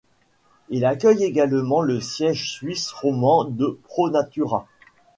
Il accueille également le siège suisse-romand de Pro Natura.